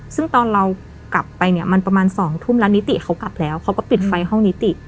ซึ่งตอนเรากลับไปเนี่ยมันประมาณ๒ทุ่มแล้วนิติเขากลับแล้วเขาก็ปิดไฟห้องนิติ